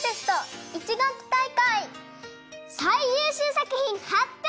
さいゆうしゅうさくひんはっぴょう！